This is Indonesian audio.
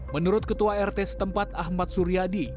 menurut ketua rt setempat ahmad suryadi